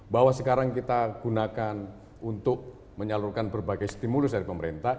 bahwa sekarang kita gunakan untuk menyalurkan berbagai stimulus dari pemerintah